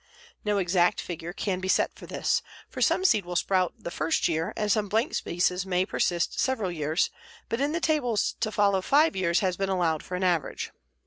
No exact figure can be set for this, for some seed will sprout the first year and some blank spaces may persist several years, but in the tables to follow five years has been allowed for an average.